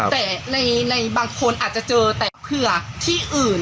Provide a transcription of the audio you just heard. แต่ในบางคนอาจจะเจอแต่เผื่อที่อื่น